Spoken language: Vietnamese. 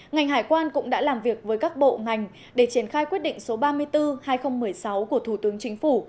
ngành hải quan cũng đã làm việc với các bộ ngành để triển khai quyết định số ba mươi bốn hai nghìn một mươi sáu của thủ tướng chính phủ